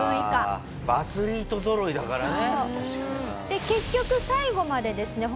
で結局最後までですね